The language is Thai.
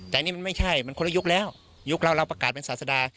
แต่ก็ไม่ใช่มันคนละยุคยุคเราเราประกาศเป็นศาษิฎา